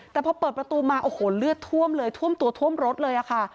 แต่พอเปิดประตูมาโอ้โหเลือดท่วมเลยท่วมตัวท่วมรถเลยค่ะ